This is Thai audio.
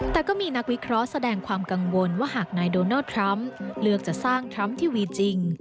แต่ก็มีนักวิเคราะห์แสดงความกังวลว่าหากนายโดนัลดทรัมป์เลือกจะสร้างทรัมป์ทีวีจริง